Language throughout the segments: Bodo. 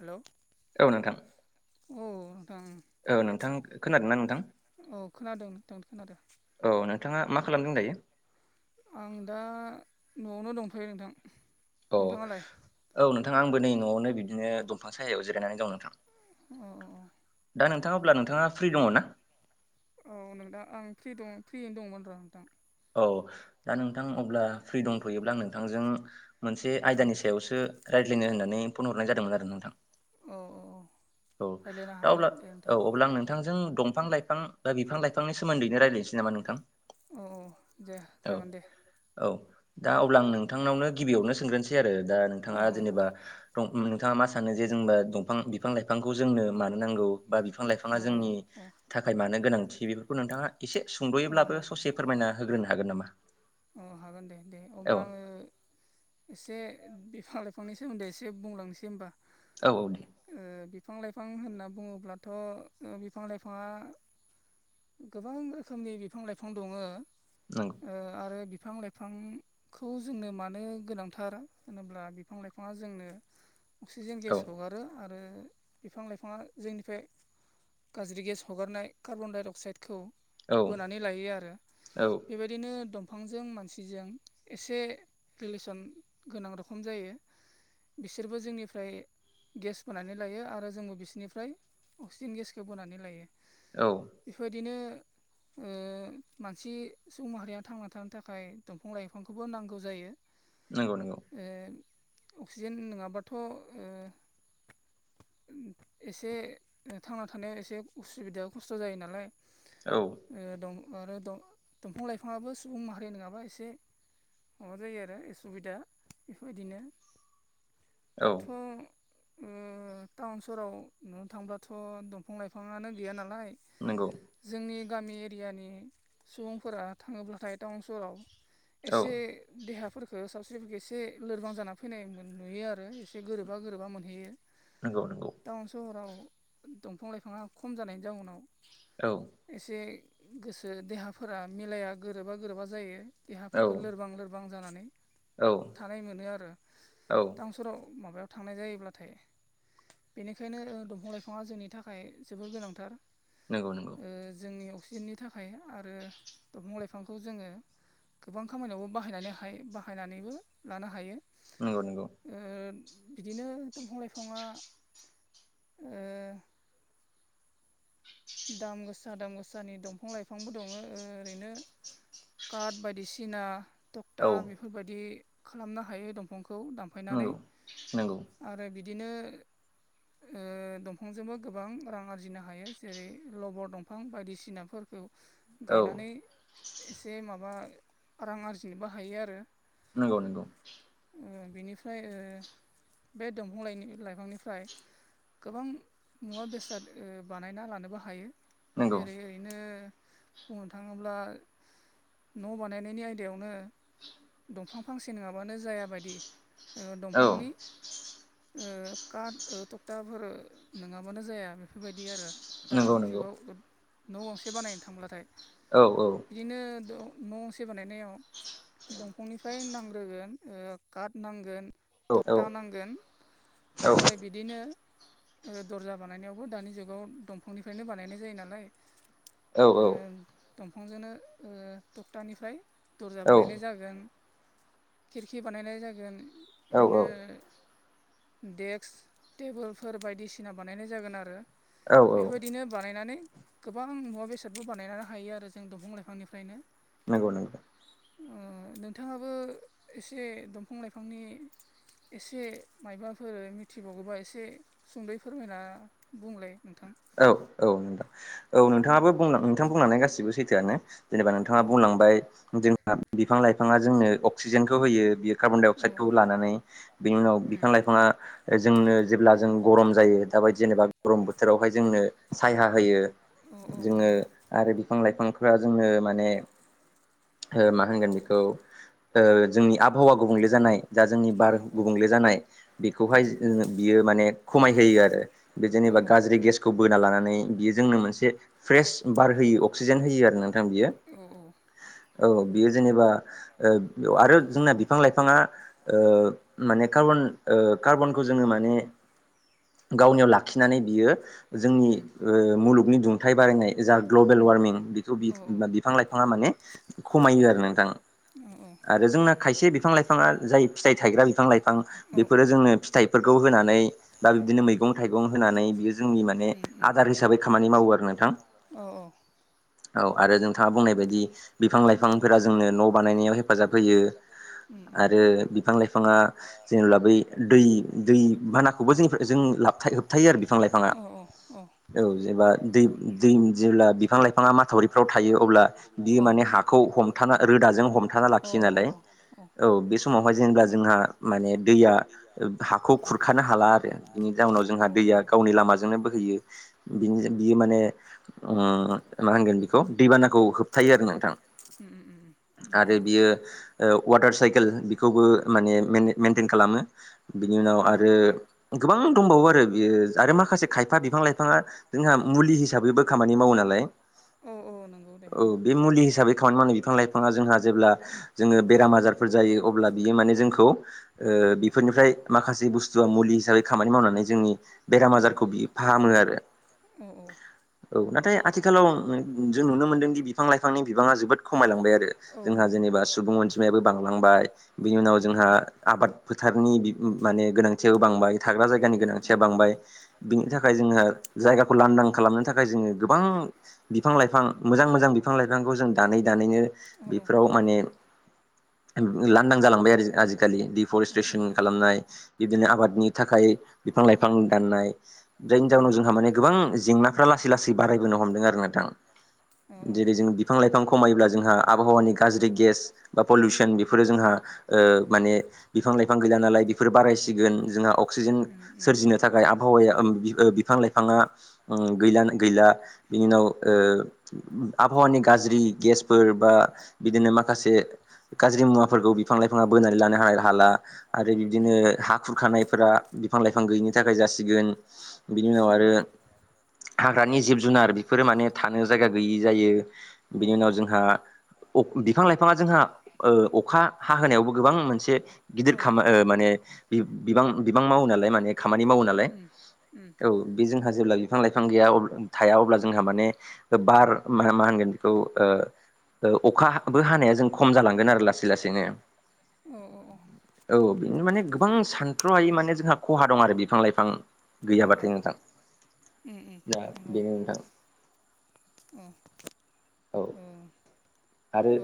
हेल'। औ नोंथां। औ नोंथां औ नोंथां खोनादोंना नोंथां औ खोनादों नोंथां खोनादों। औ नोंथाङा मा खालामदों दायो? आं दा न'आवनो दंथ'यो नोंथां। अ नोंथाङालाय औ नोंथां आंबो नै न'आवनो बिदिनो दंफां सायायाव जिरायनानै दं नोंथां। औ दा नोंथाङा अब्ला नोंथाङा फ्रि दङ ना? औ नोंथां आं फ्रि दं फ्रियैनो दंमोन र' नोंथां। औ दा नोंथां अब्ला फ्रि दंथ'योब्ला आं नोंथांजों मोनसे औ आयदानि सायावसो रायलायनो होननानै फन हरनाय जादोंमोन आरो नोंथां। औ औ। औ रायज्लायनो दा हागोन अब्ला दे नोंथां औ अब्ला आं नोंथांजों दंफां लाइफां बा बिफां लाइफांनि सोमोन्दैनो रायज्लायनोसै। जबा नोंथां औ औ दे औ जागोन दे औ दा अब्ला आं नोंथांनावनो गिबियावनो सोंग्रोनसै आरो दा औ नोंथाङा जेनेबा नोंथाङा मा सानो जे जोंबा दंफां बिफां लाइफांखौ जोंनो मानो नांगौ बा बिफां औ लाइफाङा जोंनि औ थाखाय मानो गोनांथि बेफोरखौ नोंथाङा एसे औ सुंद'योब्लाबो ससे फोरमायना होग्रोनो हागोन नामा अ हागोन दे दे औ अब्ला आङो एसे बिफां लाइफांनि सोमोन्दै एसे बुंलांनोसै होमबा औ औ दे बिफां लाइफां होनना बुङोब्लाथ' बिफां लाइफाङा गोबां रोखोमनि बिफां लाइफां दङो। [unintelligible] ओ आरो बिफां लाइफां खौ जोंनो मानो गोनांथार होनोब्ला बिफां लाइफाङा जोंनो अक्सिजेन औ गेस हगारो आरो बिफां लाइफाङा जोंनिफ्राय गाज्रि गेस हगारनाय कार्बनडाइ अक्साइडखौ औ बोनानै लायो आरो औ बेबायदिनो दं बिफांजों मानसिजों एसे रिलेसन गोनां रोखोम जायो बिसोरबो जोंनिफ्राय गेस बोनानै लायो आरो जोंबो बिसोरनिफ्राय अक्सिजेन गेसखौ बोनानै लायो। औ। बेफोरदिनो ओ मानसि सुबुं माहारिया थांना। थानो थाखाय दंफां लाइफांखौबो नांगौ जायो। नंगौ नंगौ। ओ अक्सिजेन नोङाबाथ' ओ। एसे थांना थानायाव एसे उसुबिदा खस्थ' जायो नालाय। औ ए दं आरो दं दंफां लाइफाङाबो सुबुं माहारि नोङाबा एसे। माबा जायो आरो उसुबिदा बेफोरबायदिनो औ दाथ'। ओ टाउन सहराव नुनो थांब्लाथ' दंफां लाइफाङानो गैया नालाय। नंगौ। जोंनि गामि एरियानि सुबुंफोरा थाङोब्लाथाय टाउन सहराव। औ एसे। देहाफोरखौ सावस्रिफोरखौ एसे लोरबां जाना फैनाय नुयो आरो एसे गोरोबा गोरोबा मोनहैयो। नंगौ नंगौ। टाउन सहराव दंफां लाइफाङा खम जानायनि जाउनाव। औ। एसे गोसो देहाफोरा मिलाया गोरोबा गोरोबा जायो औ देहाफोरखौ लोरबां लोर बां जानानै औ थानाय मोनो आरो टा फोराव माबायाव थांनाय जायोब्लाथाय। बेनिखायनो दंफां लाइफाङा जोंनि थाखाय जोबोर गोनांथार। नंगौ नंगौ। ओ जोंनि अक्सिजेननि थाखाय आरो दंफां लाइफां। खौ जोङो गोबां खामानियावबो बाहायनानैहाय बाहायनानैबो लानो हायो। नंगौ नंगौ। ओ बिदिनो दंफां लाइफाङा ओ। दाम गोसा दाम गोसानि दंफां लाइफांबो दङ ओरैनो। काट बायदिसिना थक्था औ बेफोरबायदि खालामनो हायो दंफांखौ दा नंगौ नंगौ। आरो बिदिनो ओ दंफांजोंबो गोबां रां आरजिनो हायो। जेरै लबर दंफां बायदि सिनाफोरखौ औ गायनानै एसे माबा रां आरजिनोबो हायो आरो। नोंगौ नोंगौ। ओ बिनिफ्राय ओ बे दंफां लाइ लाइफांनिफ्राय गोबां मुवा बेसाद ओ बानायना लानोबो हायो नंगौ जेरै ओ ओइनो बुंनो थाङोब्ला न' बानायनायनि आयदायावनो दंफां फांसे नोङाबानो जायाबायदि। ओ औ दंफांनि ओ कात ओ थक्टाफोर नोङाबानो जाया बेफोरबायदि आरो। नंगौ दानि नंगौ जुगाव न' गंसे बानायनो थांब्लाथाय। औ औ। बिदिनो द न' से बानायनायाव। दंफांनिफ्राय नांग्रोगोन ओ काट नांगोन। औ औ थक्था नांगोन औ आरो। बिदिनो ओ दर्जा बानायनायावबो दानि जुगाव। दंफांनिफ्रायनो बानायनाय जायो नालाय औ ओ। दंफांजोंनो ओ थखथानिफ्राय दर्जा बानायनाय जागोन। खिरखि बानायनाय जागोन औ बिदिनो। देक्स टेबोलफोर बायदिसिना बानायनाय जागोन आरो। औ बेफोरबायदिनो बानायनानै गोबां मुवा बेसादबो बानायनानै हायो आरो जों दंफां लाइफांनिफ्रायनो। नोंगौ नोंगौ। ओ नोंथाङाबो एसे दंफां लाइफांनि एसे माइबाफोर मिथि बावगौबा एसे सुंदै फोरमायना बुंलाय नोंथां। औ औ नोंथां। औ नोंथाङाबो बुंलां नोंथां बुंलांनाय गासिबो सैथोआनो। जेनेबा औ नोंथाङा बुंलांबाय जों [unintelligible] बिफां लाइफाङा जोंनो अक्सिजेनखौ होयो बियो कार्बन डाइ औ उम अक्साइडखौ लानानै। बेनि उनाव बिफां लाइफाङा जोंनो जेब्ला जों गरम जायो दाबायदि जेनेबा गरम बोथोरावहाय जोंनो सायहा होयो। अ औ जोङो नंगौ आरो बिफां लाइफांफोरा जोंनो माने ओ मा होनगोन बेखौ ओ जोंनि आबहावा गुबुंले जानाय दा जोंनि औ बार गुबुंले जानाय औ बिखौहाय ओ बियो माने खमायहोयो आरो। बे जेनेबा औ गाज्रि गेसखौ बोना लानानै बियो जोंनो मोनसे फ्रेस औ उम औ उम औ उम औ बार होयो अक्सिजेन होयो आरो नोंथां बियो। औ बेयो जेनेबा ओ आरो जोंना बिफां लाइफाङा ओ माने कार्बन ओ कार्बनखौ जोङो माने गावनियाव लाखिनानै बियो जोंनि ओ मुलुगनि दुंथाइ बारायनाय जा ग्लबेल वार्मिं बेखौ [unintelligible] बिफां लाइफाङा माने खमायो आरो नोंथां। औ औ आरो जोंना खायसे बिफां लाइफाङा जाय फिथाइ थायग्रा बिफां लाइफां बेफोरो जोंनो फिथाइफोरखौ होनानै बा बिबदिनो मैगं थाइगं होनानै बियो जोंनि माने आदार हिसाबै खामानि मावो आरो नोंथां। औ आरो जों थाङा बुंनाय बायदि बिफां लाइफांफोरा जोंनो न' बानायनायाव हेफाजाब होयो आरो बिफां लाइफाङा जेनेब्ला बै दै दै बाना [inaudible] लाइफाङा औ औ औ। औ जेनबा दै दैनि जेब्ला बि बिफां लाइफाङा माथावरिफ्राव थायो अब्ला बियो माने हाखौ हमथाना रोदाजों हमथाना लाखियो नालाय औ बे समावहाय जेनेब्ला जोंहा माने दैया ओ हाखौ खुरखानो हाला आरो। बिनि जउनाव औ जोंहा दैया गावनि लामा जोंनो बोहैयो। बिनजो बियो माने उम मा होनगोन खौ दैबानाखौ होबथायो आरो नोंथां उम उम उम उम आरो नंगौ बियो ओ वाटार साइकेल बेखौबो माने मेन मेेनटेन खालामो बिनि उनाव आरो गोबां दंबावो आरो बेयो आरो माखासे खायफा बिफां लाइफाङा जोंहा मुलि हिसाबैबो खामानि मावो नालाय औ औ नंगौ दे औ बे मुलि हिसाबै खामानि मावनो बिफां लाइफाङा जोंहा जेब्ला जोङो बेराम आजारफोर जायो अब्ला बियो माने जोंखौ ओ बेफोरनिफ्राय माखासे बुस्थुआ मुलि हिसाबै खामानि मावनानै जोंनि बेराम आजारखौ बि फाहामो आरो औ औ नाथाय आथिखालाव जों नुनो मोनदों बि फां लाइफांनि बिबाङा जोबोद खमायलांबाय आरो औ जोंहा नंगौ जेनेबा सुबुं अनजिमायाबो बांलांबाय। बिनि उनाव जोंहा उम आबाद फोथारनि बि माने गोनांथियाबो बांबाय थाग्रा जायगानि औ गोनांथिया औ बांबाय बिनि थाखाय जोङो जायगाखौ लानदां खालामनो थाखाय जोङो गोबां बिफां लाइफां मोजां मोजां बिफां लाइफांखौ जों दानै दानैनो औ औ बिफोराव माने ओम लानदां जालांबाय आरो आजिखालि उम उम डफरेस्ट्रेसन खालामनाय बिब्दिनो आबादनि थाखाय बिफां लाइफां दाननाय जायनि जाउनाव जोंहा माने गोबां जेंनाफ्रा लासै लासै बारायबोनो हमदों आरो नोंथां। नोंथां औ जेरै जों बिफां लाइफां खमायोब्ला जोंहा आबहावानि गाज्रि गेस बा पलिउसन बेफोरो जोंहा ओ माने बिफां लाइफां गैला नालाय बेफोर बारायसिगोन जोंहा अक्सिजेन सोरजिनो थाखाय आब आबहावाया बिफां लाइफाङा गैलानो गैला बिनि उनाव ओ आबहावानि गाज्रि गेसफोर बा बिदिनो माखासे गाज्रि मुवाफोरखौ बिफां लाइफांङा बोनानै लानो हानाय हाला आरो उम बिदिनो उम हा खुरखानायफोरा बिफां लाइफां गैयिनि थाखाय जासिगोन सिगोन बिनि उनाव उम आरो हाग्रानि जिब जुनार बेफोरो माने थानो जायगा गैयि जायो औ बिनि औ उनाव जोंहा बिफां लाइफांङा जोंहा ओ अखा हाहोयावबो गोबां मोनसे गिदिर औ ख बिबां माने बिबां बिबां मावो नालाय माने खामानि मावो नालाय उम उम औ बे जोंहा जेब्ला बिफां लाइफां गैया थाया अब्ला जोंहा माने बार मा होनगोन बेखौ ओ अखाबो हानाया जों उम खम जालांगोन आरो लासै लासैनो। औ औ औ औ बेनो माने गोबां सानथ्र'हायै माने जोंहा खहा दं आरो बिफां लाइफां गैयाबाथाय नोंथां। ए ए दा बेनो नोंथां अ औ। ओं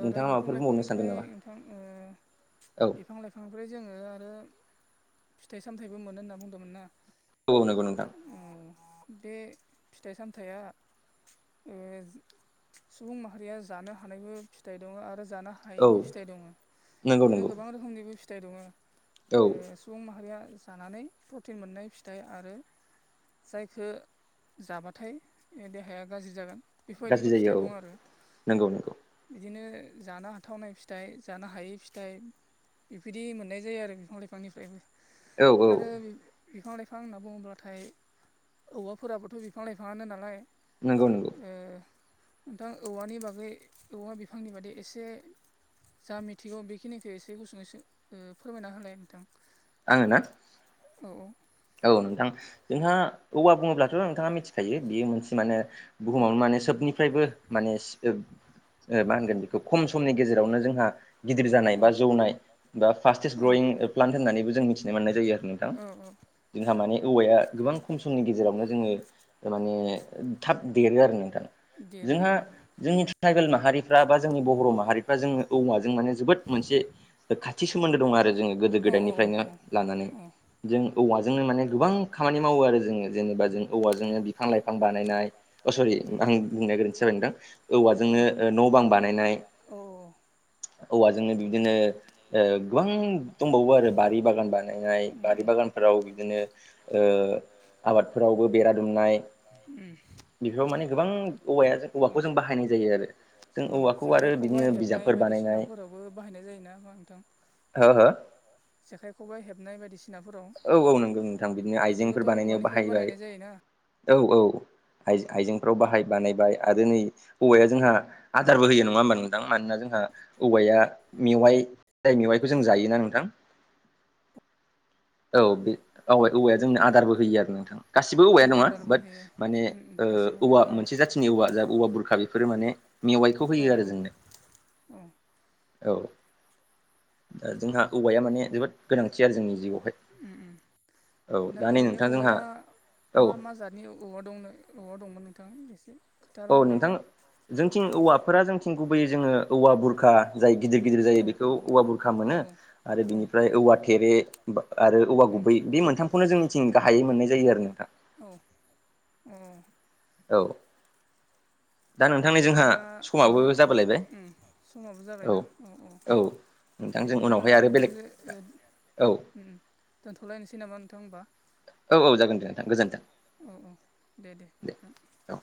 आरो नोंथाङा बिफां माबाफोर बुंबावनो सानदों लाइफांनिफ्राय नामा नोंथां ओ औ बिफां लाइ बिफांफ्राय जोंङो आरो फिथाइ सामथायाइबो मोनो होनना बुंदोंमोन ना। औ नंगौ नोंथां। ओ बे फिथाइ सामथाइया ओ‌ सुबुं माहारिया जानो हानायबो फिथाइ दंङो आरो जानो औ हायैबो फिथाइ दङ नंगौ बिदिनो नंगौ गोबां रोखोमनिबो फिथाइ दङ। औ ओ सुबुं माहारिया जानानै प्रटिन मोननाय फिथाइ आरो [unintelligible] जाबाथाय देहाया गाज्रि जागोन। गाज्रि बेफोरबायदिबो जायो फिथाइ औ दं आरो। नंगौ नंगौ बिदिनो जानो हाथावनाय फिथाइ जानो हायि फिथाइ बेबायदि मोननाय जायो आरो बिफां लाइफांनिफ्रायबो। औ औ आरो बिफां लाइफां होनना बुंङोब्लाथाय औवाफोराबोथ' बिफां लाइफाङानो नालाय नंगौ नंगौ। ओ नोंथां औवानि बागै औवा बिफांनि बादै एसे जा मिथिगौ बेखिनिखौ एसे गुसुंयै सो ओ फोरमायना होलाय नोंथां। आंङो ना? औ औ। औ नोंथां जोंहा औवा बुंङोब्लाथ नोंथांङा मिथिखायो बेयो मोनसे माने औ बुहुमावनो माने सोबनिफ्रायबो माने [unintelligible] ओ मा होनगोन बेखौ खम समनि गेजेरावनो जोंहा गिदिर जानाय औ बा जौनाय बा फास्टेस्ट औ ग्रयिं प्लान्ट होननानैबो जों मिथिनो मोननाय जायो आरो नोंथां। औ औ जोंहा माने औवाया गोबां खम समनि गेजेरावनो जोंङो माने थाब देरो आरो नोंथा। देरो औ। जोंनि ट्राइबेल माहारिफ्रा बा जोंनि बर' माहारिफ्रा जोंङो औवाजों माने जोबोद मोनसे खाथि सोमोन्दो दं आरो जोंङो गोदो औ गोदायनिफ्रायनो औ लानानै। औ जों औवाजों गोबां खामानि मावो आरो जोङो जेरैहाय बिफां लाइफां बानायनाय जेरै आं बुंनाय बायदिसो जाबाय नोंथां न' बां बानायनाय ओ औवाजोंनो माने गोबां खामानि मावो आरो जोङो जेनेबा जों औवाजोंनो बिफां लाइफां बानायनाय। अ सरि आं बुंनाया गोरोन्थि जाबाय नोंथां औवाजोंनो न' बां बानायनाय औवाजोंनो बिदिनो ओ गोबां दंबावो आरो बारि बागान बानायनाय बारि बागान। बिदिनो ओ आबादफोरावबो बेरा दुमनाय बेफोराव माने गोबां औवाया औवाखौ जों बाहायनाय जायो आरो। जों ओं औवाखौ आरो जेखाइ खबाइ बिदिनो हेबनाय बिजाबफोर बानायनाय बायदिसिनाफोरावबो बाहायनाय जायोना नंङा नोंथां। हो हो। जेखाइ खबाइ हेबनाय बायदिसि औ औ नंगौ नोंथां बिदिनो आइजेंफोर बेफोरखौथ' बानायनायाव औवानिफ्रायनो बाहायबाय बानायनाय जायोना औ औ। आइ आइजेंफ्राव बाहाय बानायबाय आरो नै औवाया जोंहा आदारबो होयो नंङा होमबा नोंथां मानोना जोंहा औवाया मेवाइ जाय मेवाइखौ जों जायोना नोंथां‌। औ बे औ औवाया जोंनो आदारबो होयो आरो नोंथां गासिबो अ औवाया नङा आदारबो बाट होयो माने उम उम ओ गासिबो औवा औवायानो औ मोनसे जाथिनि औवा जा औवा बुरखा बेफोरो माने मेवाइखौ औ होयो आरो औ जोंनो। औ। औ दा जोंहा औवाया माने जोबोद गोनांथि आरो जोंनि जिउआवहाय। उम्म औ उम्म दा नै ओरैनो नोंथां जोंहा औवाया औ मा मा जाद नि औवा दं औवा दंमोन नोंथां गासै? औ नोंथां जोंथिं औवाफोरा जोंथिं गुबैयै जोङो औवा बुर बुरखा जाय गिदिर गिदिर जायो औ बेखौ औवा बुरखा औ मोनो आरो औ बिनिफ्राय औवा थेरे आरो औवा उम गुबै बे मोनथामखौनो जोंनिथिं गाहायै मोननाय जायो आरो नोंथां। औ अ। औ। दा नोंथांनि जोंहा बिदिब्ला समाबो नोंथां जाबोलायबाय उम्म समाबो जाबायना औ औ। ए नोंथांजों बिदिब्ला उनावहाय आरो बेलेग नोंथांजो औ उम्म दोनथ'लायनोसै नामा नोंथां होमबा? औ औ जागोन दे नोंथां गोजोन्थों। औ औ दे दे नोंथां। औ